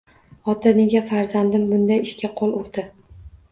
Ota nega farzandim bunday ishga qo`l urdi